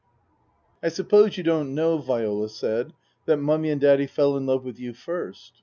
I suppose you don't know," she said, " that Mummy and Daddy fell in love with you first